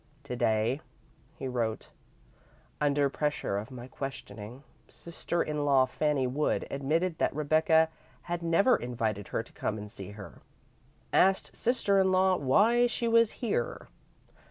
"To day," he wrote, "under pressure of my questioning, Sister in law Fanny Wood admitted that Rebecca had never invited her to come and see her. Asked Sister in law why she was here.